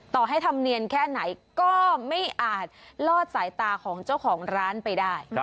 ต่อให้ทำเนียนแค่ไหนก็ไม่อาจลอดสายตาของเจ้าของร้านไปได้